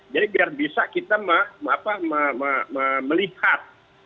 jadi biar bisa kita melihat